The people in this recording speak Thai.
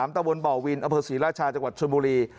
ตะวนบ่อวินอำเภอศรีราชาจังหวัดชนบุรี